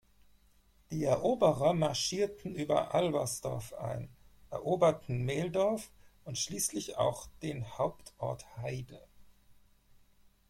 Die Eroberer marschierten über Albersdorf ein, eroberten Meldorf und schließlich auch den Hauptort Heide.